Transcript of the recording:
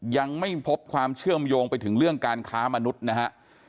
ยังไม่พบความเชื่อมโยงไปถึงเรื่องการค้ามนุษย์นะฮะ